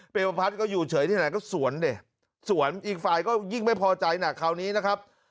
เป็นประพัฒน์ก็อยู่เฉยที่ไหนก็สวนดิสวนอีกฝ่ายก็ยิ่งไม่พอใจหนักคราวนี้นะครับ